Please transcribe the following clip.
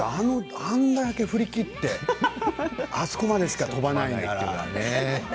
あんなに振り切ってあそこまでしか飛ばないんだからね。